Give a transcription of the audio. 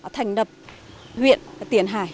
thành đập huyện tiền hải